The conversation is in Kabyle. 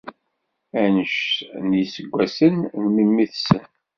Anect n yiseggasen n memmi-tsen?